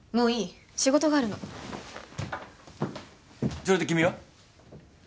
それで君は？